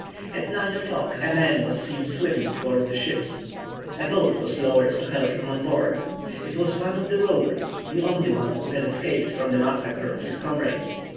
At nine o'clock a man was seen swimming towards the ships. A boat was lowered to help him on board. It was one of the rowers, the only one who had escaped from the massacre of his comrades.